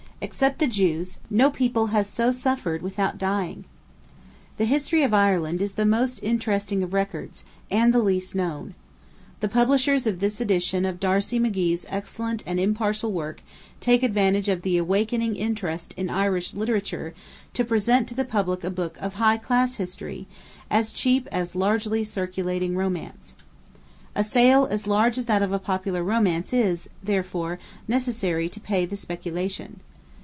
Except the Jews, no people has so suffered without dying. The History of Ireland is the most interesting of records, and the least known. The Publishers of this edition of D'Arcy McGee's excellent and impartial work take advantage of the awakening interest in Irish literature to present to the public a book of high class history, as cheap as largely circulating romance. A sale as large as that of a popular romance is, therefore, necessary to pay the speculation.